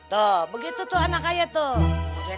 tuh begitu tuh anak ayah tuh